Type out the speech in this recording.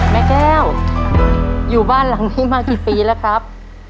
แม่แก้วอยู่บ้านหลังนี้มากี่ปีแล้วครับ